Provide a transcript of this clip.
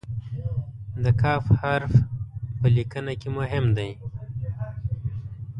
د "ک" حرف په لیکنه کې مهم دی.